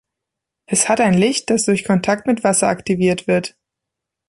Es hat ein Licht, dass durch Kontakt mit Wasser aktiviert wird.